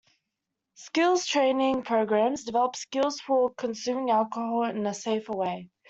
Skills training programs develop skills for consuming alcohol in a safer way.